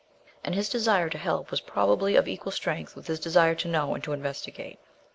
And his desire to help was probably of equal strength with his desire to know and to investigate.